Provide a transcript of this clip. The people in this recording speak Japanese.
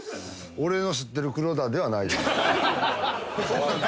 俺の知ってる黒田ではない。